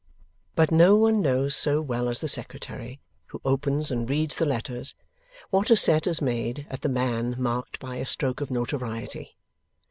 But no one knows so well as the Secretary, who opens and reads the letters, what a set is made at the man marked by a stroke of notoriety.